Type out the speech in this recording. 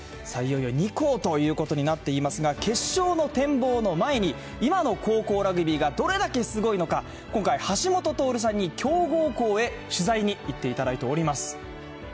いよいよ２校ということになっていますが、決勝の展望の前に、今の高校ラグビーがどれだけすごいのか、今回、橋下徹さんに強豪校へ取材に行っていただいております。